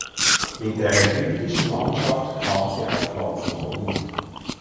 Mit der ägyptischen Mannschaft kam sie auf Platz neun.